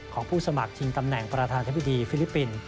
ผู้สมัครชิงตำแหน่งประธานธิบดีฟิลิปปินส์